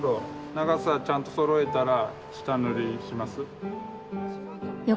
長さちゃんとそろえたら下塗りします？